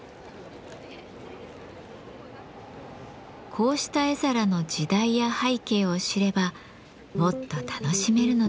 こうした絵皿の時代や背景を知ればもっと楽しめるのだとか。